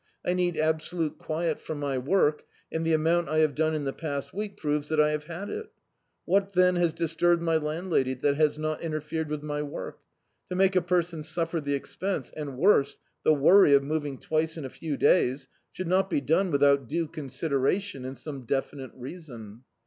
"I need absolute quiet for my work, and the amount I have done in die past week proves that I have had it What then has disturbed my landlady, that has not interfered with my work? To make a perscai suffer the expense, and worse, the worry of moving twice in a few days, should not be done without due consideration, and some definite reason."